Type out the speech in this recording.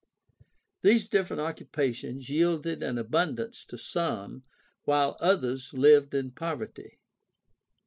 These different occupations yielded an abundance to some, while others lived in poverty.